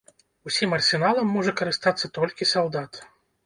Усім арсеналам можа карыстацца толькі салдат.